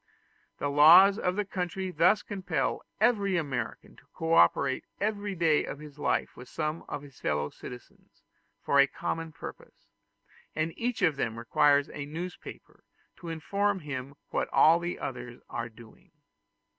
The laws of the country thus compel every American to co operate every day of his life with some of his fellow citizens for a common purpose, and each one of them requires a newspaper to inform him what all the others are doing.